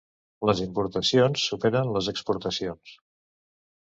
Les importacions superen les exportacions.